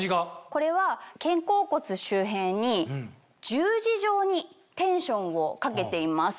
これは肩甲骨周辺に十字状にテンションをかけています。